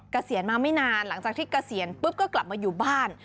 เกษียณมาไม่นานหลังจากที่เกษียณปุ๊บก็กลับมาอยู่บ้าน